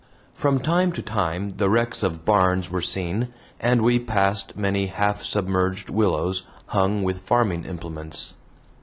From time to time the wrecks of barns were seen, and we passed many half submerged willows hung with farming implements.